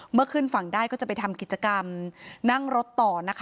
เมื่อขึ้นฝั่งได้ก็จะไปทำกิจกรรมนั่งรถต่อ